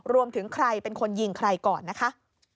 รวมถึงใครเป็นคนยิงใครก่อนนะคะ